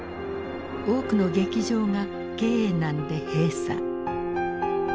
多くの劇場が経営難で閉鎖。